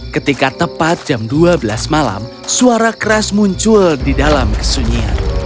ketika tepat jam dua belas malam suara keras muncul di dalam kesunyian